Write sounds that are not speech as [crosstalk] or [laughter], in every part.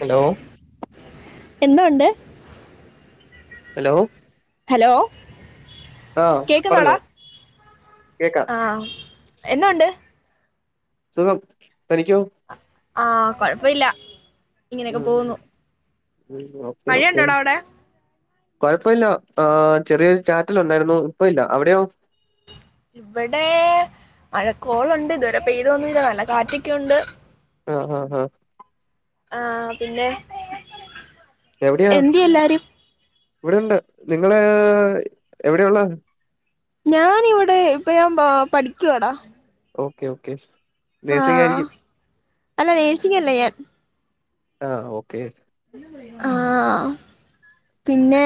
Hello എന്തൊണ്ട് hello hello ആ കേക്കുന്നോടാ പറഞ്ഞോ കേക്ക ആ എന്തുണ്ട് സുഖം തനിക്കോ ആ കൊഴപ്പ ഇല്ല ഉം ഓക്കെ ഓക്കെ മഴയുണ്ടോടാ അവിടെ കൊഴപ്പല്ല ആ ചെറിയൊരു ചാറ്റല് ഉണ്ടായിരുന്നു ഇപ്പ ഇല്ല അവടെയോ ഇവടെ മഴക്കോളുണ്ട് ഇതുവരെ പെയ്ത് തോന്നില്ല നല്ല കാറ്റെക്കെ ഉണ്ട് ആ ആ ആ ആ പിന്നെ എവിടെയാ എന്തി എല്ലാരും ഇവടെ ഉണ്ട് നിങ്ങള് എവിടെയ ഉള്ള ഞാനിവിടെ ഇപ്പ ഞാൻ ഏ പഠിക്കുവാടാ ഓക്കെ ഓക്കെ ആ നേയ്സിങ് ആയിരിക്കും അല്ല നേഴ്സിംഗ് അല്ലേ ഞാൻ ആ ഓക്കെ ആ പിന്നെ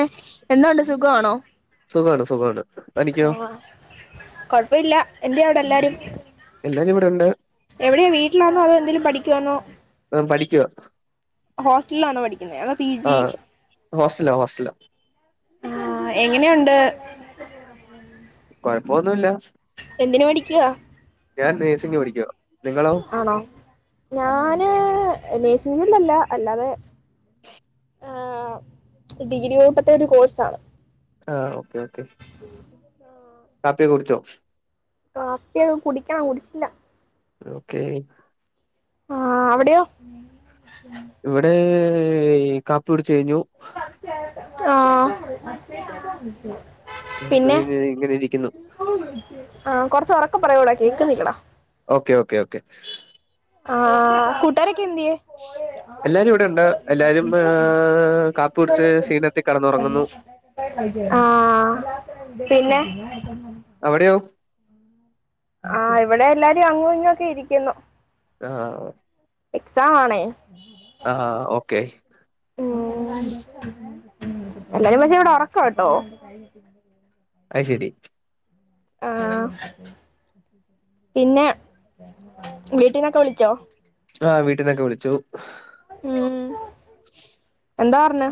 എന്തുണ്ട് സുഖവാണോ സുഖാണ് സുഖാണ് തനിക്കോ ആ കൊഴപ്പ ഇല്ല എന്തേ അവടെ ഉം. എല്ലാരും എല്ലാരും ഇവടെ ഉണ്ട് എവിടെ വീട്ടിലാന്നോ അതോ എന്തേലും പഠിക്കുവാന്നോ ങ് പഠിക്കുവാ ഹോസ്റ്റ്ലിലാണോ പഠിക്കുന്നെ അതൊ പി ജി ഹോസ്റ്റ്ൽലാ ഹോസ്റ്റൽലാ ആഹ് എങ്ങനെയുണ്ട്? കൊഴപ്പോന്നുല്ല എന്തിന് വേണ്ടിട്ട് നേഴ്സിംഗ് പഠിക്കുവാ നിങ്ങളോ ആണോ? ഞാന് നഴ്സിംങൊന്നല്ല അല്ലാതെ ങ് ഡിഗ്രി കൂട്ടത്തെ ഒരു കോഴ്സാണ് ആഹ് ഓക്കെ ഓക്കെ [inaudible] കാപ്പിക്കെ കുടിച്ചോ? കാപ്പി കുടിക്കണം കുടിച്ചില്ല ഓക്കെ ആഹ് അവിടെയോ ഇവിടെ കാപ്പി കടിച്ചു കഴിഞ്ഞു ആഹ് പിന്നെ ഇങ്ങനെ ഇരിക്കുന്നു ആഹ് കൊറച്ച് ഉറക്കെ പറയൂടാ കേക്കുന്നില്ലട ഓക്കെ ഓക്കെ ഓക്കെ ആഹ് കൂട്ടാരെക്കെ എന്തിയേ എല്ലാരും ഇവിടെ ഇണ്ട് എല്ലാരും ഏഹ് കാപ്പി കുടിച്ച് ക്ഷീണത്തി കെടന്നുറങ്ങുന്നു ആഹ് പിന്നെ അവിടെയോ? ആഹ് ഇവിടെ എല്ലാരും അങ്ങ് ഇങ്ങൊക്കെ ഇരിക്കുന്നു ആഹ് എക്സാമാണേ ആഹ് ഹ ഓക്കെ ഓ എല്ലാരും പക്ഷേ ഇവിടെ ഉറക്കാട്ടോ കഴിഞ്ഞിട്ട് അത്ശരി ആഹ് പിന്നെ വീട്ടന്നൊക്കെ വിളിച്ചോ ആഹ് വീട്ടീന്നൊക്കെ വിളിച്ചു ഉം എന്താ പറഞ്ഞേ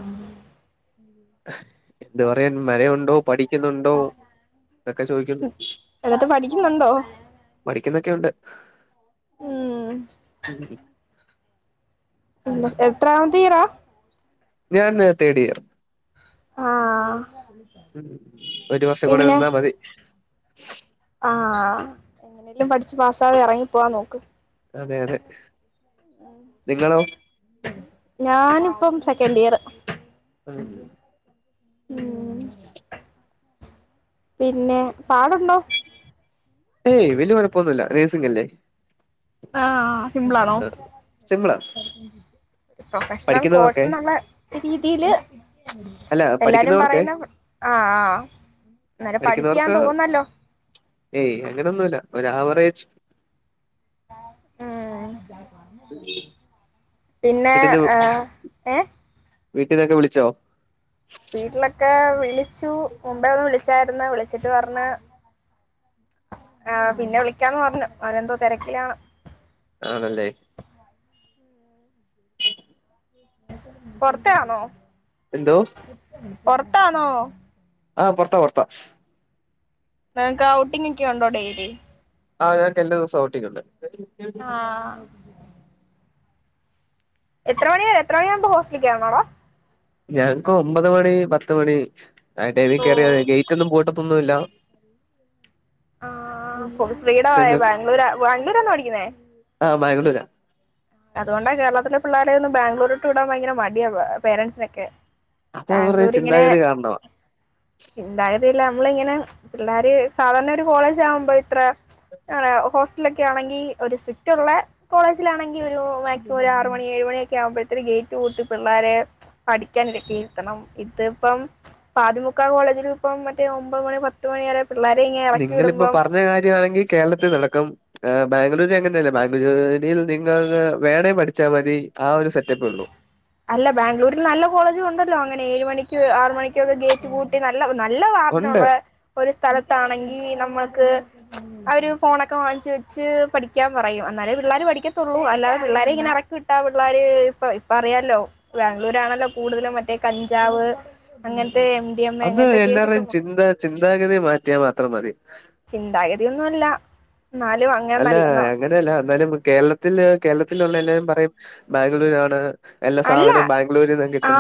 എന്ത് പറയാൻ മഴയുണ്ടോ പഠിക്കുന്നുണ്ടോ ഇതൊക്കെ ചോദിക്കുന്നു എന്നിട്ട് പഠിക്കുന്നുണ്ടോ? പഠിക്കുന്നൊക്കെയുണ്ട് ഉം ഉം ഉം എത്രാമത്തെ ഇഴറാ ഞാൻ തേടിയർ ആഹ് ഉം ഒരു വർഷം കൂടെ പിന്നെ നിന്നാ മതി ആഹ് എങ്ങനേലും പഠിച്ച് പാസ്സായി ഇറങ്ങി പോവാൻ നോക്ക് അതെ അതെ നിങ്ങളോ? ഞാനിപ്പം സെക്കൻഡിയറ് ഉം ഉം ഉം പിന്നെ പാടുണ്ടോ? ഏയ് വലിയ കുഴപ്പൊന്നുമില്ല നഴ്സിംഗ് അല്ലേ ആഹ് സിമ്പിളാണോ ആഹ് സിമ്പ്ളാ പ്രൊഫഷണൽ കോഴ്സ് എന്നുള്ള രീതിയില് അല്ല എല്ലാരും പഠിക്കുന്നവർക്കെ പറയുന്നേ ആഹ് ആഹ് നല്ല പഠിക്കുന്നവർക്ക് പഠിപ്പിയാന്ന് തോണന്നല്ലോ ഏയ് അങ്ങനൊന്നുമല്ല ഒരു ആവറേജ്. ഉം പിന്നെ ഏഹ്. വീട്ടീന്നൊക്കെ വിളിച്ചോ? വീട്ടിലൊക്കെ വിളിച്ചു മുമ്പേ ഒന്ന് വിളിച്ചായിരുന്നു വിളിച്ചിട്ട് പറഞ്ഞ്. ആ പിന്നെ വിളിക്കാന്ന് പറഞ്ഞു അവരെന്തോ തിരക്കിലാണ്. ആണല്ലേ. പൊറത്താണോ. എന്തോ. പൊറത്താണോ. ആഹ് പൊർത്താ പൊർത്താ. നിങ്ങക്ക് ഔട്ടിംഗ് ഒക്കെ ഉണ്ടോ ഡെയ്ലി. ആഹ് ഞങ്ങൾക്ക് എല്ലാ ദിവസം ഔട്ടിങ് ഉണ്ട് ആഹ്. എത്ര മണി എത്രെ മണിയാകുമ്പോ ഹോസ്റ്റലേകേറണടാ. ഞങ്ങക്ക് ഒമ്പത് മണി പത്ത് മണി ടൈമിൽ കയറിയ ഓഹ് മതി ഗേറ്റ് ഒന്നും പൂട്ടത്തൊന്നുല്ല. ആ ഫ്രീഡമായ നിങ്ങക്ക് ബാംഗല ബാംഗ്ലൂർന്നോ പഠിക്കുന്നേ. ആഹ് ബാംഗ്ലൂരാ. അതുകൊണ്ടാ കേരളത്തിലെ പിള്ളേെരെക്കെ ഒന്നും ബാംഗ്ലൂരിട്ട് വിടാൻ ഭയങ്കര മടിയ പേരൻസിനൊക്കെ. അത് അവരുടെ ബാംഗ്ലൂർ ഇങ്ങനെ. ചിന്താഗതി കാരണമാ ധൈര്യമില്ല നമ്മളിങ്ങനെ പിള്ളേർ സാധാരണ ഒരു കോളേജ് ആകുമ്പോൾ ഇത്ര. ആ ഹോസ്റ്റൽ ഒക്കെ ആണെങ്കിൽ ഒരു സ്ട്രിക്റ്റ് ഉള്ള കോളേജിലാണെങ്കിൽ. ഇയൊരു മാക്സിമം ആറു മണി ഏഴു മണിയൊക്കെ ആകുമ്പഴത്തേ ഗേറ്റ് പൂട്ടി പിള്ളേരെ. പഠിക്കൻ ഇക്കിയിരുത്തണം ഇതിപ്പം. പാതി മുക്ക കോളേജിൽ ഇപ്പം മറ്റേ ഒമ്പത് മണി പത്ത് മണി വരെ. പിള്ളേരെങ്ങ നിങ്ങളിപ്പ പറഞ്ഞ കാര്യമാണെങ്കിൽ കേരളത്തിൽ നടക്കും. ബാംഗ്ലൂര് എങ്ങനെയല്ലേ ബാംഗ്ലൂരിൽ നിങ്ങൾ വേണേ പഠിച്ചാൽ മതി ആ ഒരു സെറ്റപ്പേ ഉള്ളു. അഹ് ബാംഗ്ലൂരിൽ നല്ല കോളേജ്ണ്ടല്ലോ അങ്ങനെ എഴ് മണിക്ക് ആറ് മണിക്കൊക്കെ ഗേറ്റ് പൂട്ട് നല്ല നല്ല ഉണ്ട് വാർഡനുള്ള ഒരു സ്ഥലത്താണെങ്കിൽ നമ്മൾക്ക്. അഒരു ഫോണൊക്കെ വാങ്ങി വെച്ച് പഠിക്കാൻ പറയും അന്നാലേ പിള്ളേര് പഠിക്കത്തുള്ളൂ അല്ലാതെ പിള്ളാരെ ഇങ്ങനെ ഇറക്കിട്ട ഇറക്കിവിട്ട പിള്ളേര് ഇപ്പോ അറിയാല്ലൊ ല്ലോ ബാംഗ്ലൂരാണല്ലോ കൂടുതലും മറ്റേ കഞ്ചാവ് അങ്ങനത്തെ- ഡി എം എ അത് അങ്ങനത്തെ കേസൊക്കെ എല്ലാരേും പോണെ ചിന്ത ചിന്താഗതി മാറ്റിയാ മാത്രം മതി. ചിന്താഗതിയോന്നല്ല എന്നാലും. അങ്ങനെ അല്ല നല്ല അങ്ങനെയല്ല എന്നാലും കേരളത്തിൽ കേരളത്തിലുള്ള എല്ലാവരും പറയും ബാംഗ്ലൂരു ആണ്. അല്ല സാധനം ബാഗ്ലൂർ.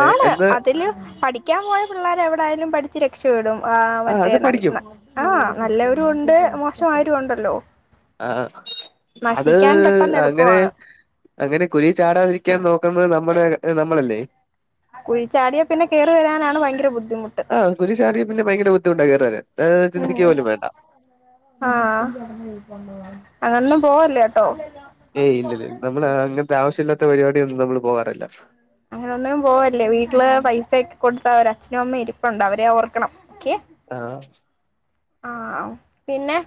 ആണ് അതില്. പഠിക്കാൻ പോയ പിള്ളേരെ എവിടെയായാലും പഠിച്ച് രക്ഷപ്പെടും ആ മറ്റേ അത് പഠിക്കും. ന ആഹ് നല്ലവരുണ്ട് മോശം ആയവരും ഉണ്ടല്ലോ. ആഹ് അത് നശിക്കാൻ പെട്ടെന്ന് അങ്ങനെ. എളുപ്പമാണ് അങ്ങനെ കുഴി ചാടാതിരിക്കാൻ നോക്കുന്നത് നമ്മുടെ നമ്മളല്ലേ. കുഴിചാടിയ പിന്നെ കയറി വരാനാണ് ഭയങ്കര ബുദ്ധിമുട്ട്. ആഹ് കുരു ചാടിയ പിന്നെ ഭയങ്കര ബുദ്ധിമുട്ടാ കേറിവരാൻ. അതായത് ചിന്തിക്കുക ഉം പോലും വേണ്ട. ആഹ് അങ്ങന ഒന്നും പോവില്ലാട്ടോ. ഏ്ഹ് ഇല്ലില്ല. നമ്മള് അങ്ങൻത്തെ ആവശ്യ ഇല്ലാത്ത പരിപാടിയൊന്നും നമ്മള് പോവാറില്ല. അങ്ങനെ ഒന്നും പോവലില്ല. വീട്ടില് പൈസ ഒക്കെ കൊടുത്തര് അച്ഛനും അമ്മയും ഇരിപ്പുണ്ട് അവരെ ഓർക്കണം ഓക്കെ. ആഹ്. ആ പിന്നെ.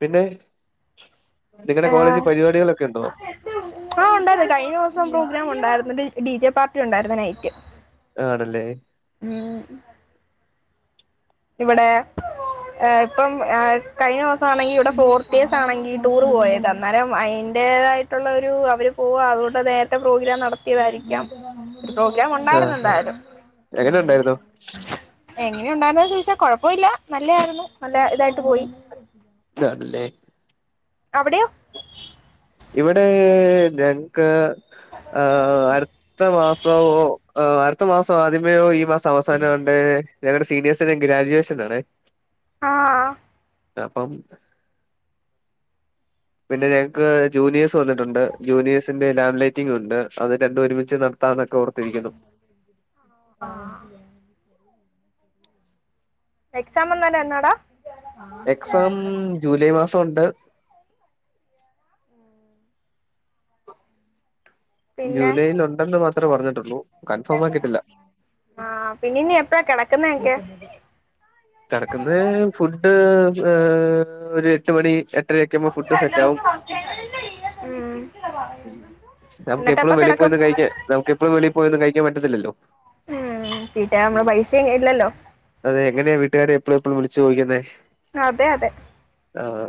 പിന്നെ നിങ്ങടെ കോളേജി ആഹ് പരിപാടികളൊക്കെ ഉണ്ടോ? ആഹ് ഉണ്ടായിരുന്നു കഴിഞ്ഞ ദിവസം പ്രോഗ്രാം ഉണ്ടായിരുന്നുണ്ട് ഡി ജെ പാർട്ടി ഉണ്ടായിരരുന്നു നൈറ്റ്. ആണ്ല്ലേ ഉം ഇവിടെ ഇപ്പം ഹ് കഴിഞ്ഞ മാസാണെങ്കി ഇവിടെ ഫോർത്ത് ഡേഴസ് ആണെങ്കിൽ ടൂർ പോയതാ ഇന്നാലും അയ്ന്റേതായിട്ടുള്ള ഒരു അവര് പോവുക. അതുകൊണ്ട് നേരത്തെ പ്രോഗ്രാം നടത്തിയതായിരിക്കാം. പ്രോഗ്രാം ഉൺ ആഹ് ആ എങ്ങനെ ഉണ്ടായിരുന്നു. എങ്ങനെ ഉണ്ടായിന്ന ചോയ്ച്ചാ കുഴപ്പൊല്ല. നല്ലായിരുന്നു നല്ല ഇതായിട്ട് പോയി. താണ്ട്ല്ലെ അവിട്യാെ ഇവിടെ ഞങ് ക്ക് ആ അടുത്ത മാസൊ അടുത്ത മാസം ആദ്യമേ ഒഴി ഈ മാസം അവസാന ആണ്ടെ ഞങ്ങടെ സീ ബീ എസിന് ഗ്രാജുവേഷൻ ആണ്. ആഹ് അപ്പം പിന്നെ ഞങ്ങക്ക് ജൂനിയേഴ്സ് വന്നിട്ടുണ്ട്. ജൂനിയേഴസ്. ന്റെ ലാം ലൈറ്റി ഉണ്ട്. അത് രണ്ടും ഒരുമിച്ച് നടത്താന്നൊക്കെ ഓർത്തിരിക്കുന്നു ആഹ് എക്സാം എന്ന് എന്നാടാ എക്സാം ജൂലൈ മാസം ഉണ്ട്. പിന്നെ ജൂലൈല് ഉണ്ടെന്ന് മാത്രേ പറഞ്ഞിട്ടുള്ളൂ കൺഫോമാക്കിട്ടില്ല. ആഹ് പിന്നെ ഇനി എപ്പഴാ കെടക്കുന്നക്കെ കെടക്കുന്ന ഫുഡ് ഏ ഒരു എട്ട് മണി എട്ടരയൊക്കെ ആകുമ്പോ ഫുഡ് സെറ്റ് ആവും ഉം ഉം നമുക്ക് എന്നിട്ട് എപ്പ എപ്പളും കിടക്കും വെളിയിൽ കഴിക്കാ നമുക്ക് എപ്പളും വെളിയി പോയൊന്നും കഴിക്കാൻ പറ്റത്തില്ലല്ലോ. ഏഹ് തീറ്റാ നമ്മടെ പൈസ ഇല്ലല്ലൊ. അതെ എങ്ങനെയാ വീട്ടുകാരെ എപ്പളു എപ്പളും വിളിച്ചു ചോദിക്കുന്നെ. അതെ അതെ ആഹ്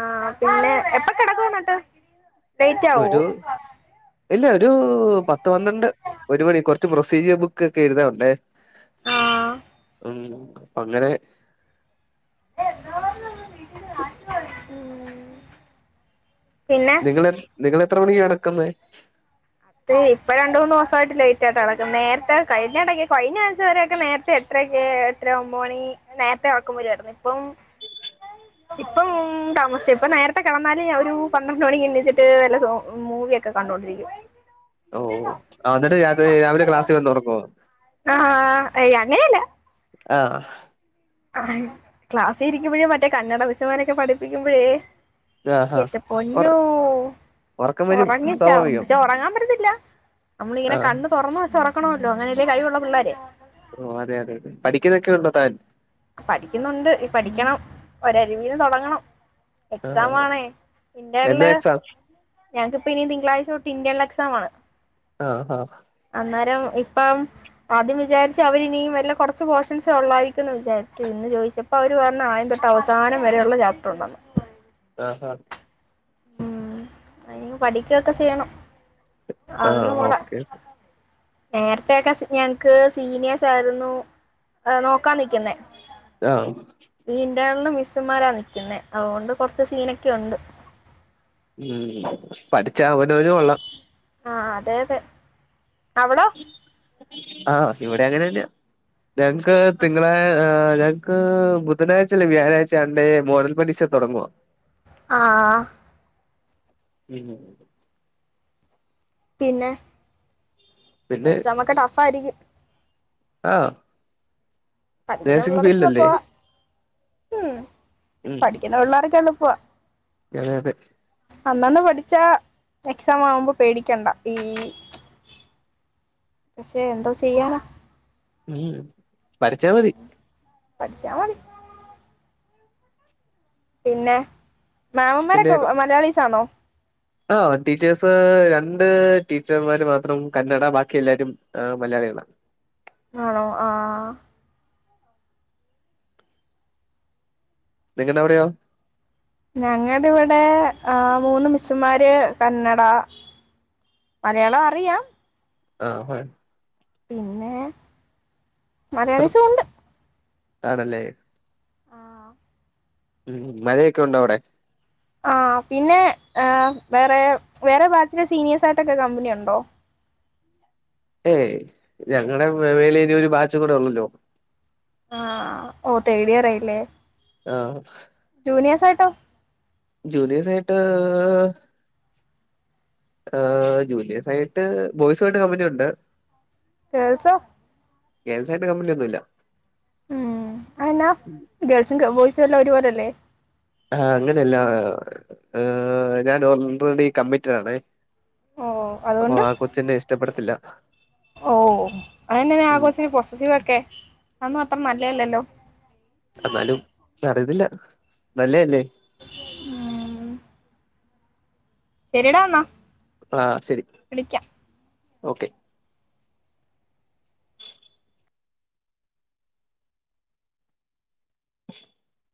ആഹ് പിന്നെ എപ്പൊ കെടക്കു ഇന്നട്ട്. ഒരു ഇല്ല ഒരു പത്ത് പന്ത്രണ്ട്. ഒരു മണി കൊറ്ച്ച് പ്രൊസീജിയർ ബുക്ക് ഒക്കെ എഴുതാ ഉണ്ട്. ആ ഉം അങ്ങനെ [unintelligible] പിന്നെ ഇങ്ങളെ നിങ്ങളെ എത്ര മണിക്കാ നടക്കുന്നത്. അത് ഇപ്പൊ രണ്ട മൂന്ന് ദിവസമായിട്ട് ലേറ്റ് ആയിട്ട കിടക്കുന്നെ നേരത്തെ കഴിഞ്ഞ ഇടക്ക കഴിഞ്ഞ [unintelligible] നേരത്തെ എട്ടര എട്ട ഒമ്പതു മണി നേരത്തെ [unintelligible] ഇപ്പം ആഹ് ഇപ്പം താമസിച്ച ഇപ്പ നേരത്തെ കിടന്നാല് ഒരു പന്ത്രണ്ട് മണിക്ക് എണ്ണിച്ചിട്ട് നല്ല മൂവിയ കണ്ടുകൊണ്ടിരിക്കും ഓ എന്നിട്ട് രാത്രി രാവിലെ ക്ലാസ് വന്ന് ഉറങ്ങുവോ ആഹ അ അങ്ങനെയല്ല ആഹ ക്ലാസ് ഇരിക്കുമ്പോഴേ മറ്റേ കന്നഡ സിസ്റ്റർമാരൊക്കെ പഠിപ്പിക്കുമ്പോഴേ ആഹാ എന്റെ ഒറ പൊന്നൂ ഉറക്കം വരും ഉറങ്ങിച്ചാവും സ്വാഭാവികം പക്ഷെ ഉറങ്ങാൻ പറ്റത്തില്ല നമ്മളിങ്ങനെ ആ കണ്ണ് തുറന്ന് വെച്ച് ഉറങ്ങണല്ലോ അങ്ങനെല്ലേ കഴിവുള്ള പിള്ളേരെ ഓ അതെ അതെ പഠിക്കുന്നൊക്കെ ഉണ്ടോ താൻ പഠിക്കുന്നുണ്ട് ഈ പഠിക്കണം ഒരു അരികുന്നു തുടങ്ങണം ആ എക്സാം ആണേ എന്നാ ഇന്റണില് എക്സാം ഞങ്ങൾക്ക് ഇനി തിങ്കളാഴ്ച തൊട്ട് ഇന്റെർണൽ എക്സാം ആണ് ആഹ ആഹ അന്നേരം ഇപ്പം ആദ്യം വിചാരിച്ച് അവര് ഇനും വല്ല കുറച്ച് പോർഷൻസ് ഉള്ളയിരിക്കന്ന് വിചാരിച്ചു പിന്നെ ചോദിച്ചപ്പോ അവര് പറഞ്ഞ ആദ്യം തൊട്ട അവസാനം വരെയുള്ള ചാപ്റ്റർ ഉണ്ടന്ന് ആഹ് ഹ ഉ ഇനി പഠിക്കയൊക്കെ ചെയ്യണം ആ അറിഞ്ഞുകൂടാ ഓക്കെ നേരത്തെക്കെ ഞങ്ങക്ക് സീനിയേഴസ് ആയിരുന്നു നോക്കാ നിക്കുന്നേ [unintelligible] ഇന്റെർണൽ മിസ്സുമാരാ നിക്കുന്നെ അതുകൊണ്ട് കുറച്ച് സീനൊക്കെ ഉണ്ട് ഉം പഠിച്ച അവനൊന്നു കൊള്ളാം ആ അതെതെ അവഡോ ആഹ് ഇവിടെ അങ്ങനെന്നെയ ഞങ്ങക്ക് തിങ്കളാ എല്ലാരും ഞങ്ങക്ക് ബുധനാഴ്ചല്ലേ വ്യാഴാഴ്ച രണ്ടേ മോഡൽ പരീക്ഷ തുടങ്ങുവ ആഹ പിന്നെ പിന്നെ പിന്നെ എക്സാം ഒക്കെ ടഫ ആയിരിക്കും ആഹ് പഠിക്കുന്ന നേഴ്സിംഗ് പിള്ളേർക്കുള്ള ഫീൽഡല്ലേ പോവാ ഉം ഉം പഠിക്കുന്ന പിള്ളേർക് എളുപ്പവ അതെ അതെ അന്നന്ന് പഠിച്ച എക്സാം ആവുമ്പോ പേടിക്കണ്ട ഈ പക്ഷെ എന്തോ ചെയ്യാനാ ഉം പഠിച്ച മതി പഠിച്ചമതി പിന്നെ മാമന്മാരൊക്കെ മലയാളിസ്ആണോ ആ ടീച്ചേഴസ് രണ്ട് ടീച്ചർമാര് മാത്രം കന്നഡ ബാക്കി എല്ലാവരും ആ മലയാളികള ആണോ ആഹ ആഹ് നിങ്ങെട അവിടെയോ ഞങ്ങുടെ ഇവിടെ ആ മൂന്ന് മിസ്സുമാര് കന്നഡ മലയാളം അറിയാം ആഹ് ആഹ് പിന്നെ മലയാളിസും ഉണ്ട് ആണല്ലേ ആഹ് ഉം മഴയൊക്കെ ഉണ്ടോ അവ്ടെ ആ പിന്നെ വേറെ വേറെ ബാച്ചിലെ സീനിയേഴ്സ് ആയിട്ടൊക്കെ കമ്പനി ഉണ്ടോ ഏയ് ഞങ്ങടെ മെ വേലെ ഇനി ഒരു ബാച്ച് കൂടെ ഉള്ളല്ലോ ആ ആ ഓ തേടിയറായില്ലേ ആഹ് ജൂനിയേസായിട്ടോ ജൂനിയേസായിട്ട് ആ ജൂനിയേഴ്സ് ആയിട്ട് ബോയ്സ്മായിട്ട് കമ്പനിയുണ്ട് ഗേൾസോ ഗേൾസായിട്ട് കമ്പനി ഒന്നും ഇല്ല ഉം അത് എന്നാ ഗേൾസും ബോയ്സും എല്ലാം ഒരുപോലെല്ലേ ആ അങ്ങനെയല്ല ഹ് ഞാൻ ഓൾറെഡി കമ്മിറ്റഡാണേ ഓ അപ്പൊ അതുകൊണ്ട് ആ കൊച്ചെന്നെ ഇഷ്ട്ട പ്പെടത്തില്ല ഓ അതന്നെനാ ആ കൊച്ച്ന് പൊസസ്സീവൊക്കെ അതൊന്നും അത്ര നല്ലഅല്ലല്ലോ എന്നാലും അറിയുന്നില്ല നല്ലെ അല്ലേ ഉം ശെരിയടാ അന്നാ ആ ശെരി ഓക്കെ ഉം